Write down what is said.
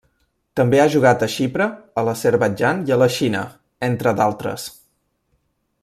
També ha jugat a Xipre, a l'Azerbaidjan i a la Xina, entre d'altres.